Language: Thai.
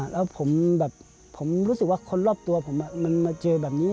แล้วผมแบบผมรู้สึกว่าคนรอบตัวผมมันมาเจอแบบนี้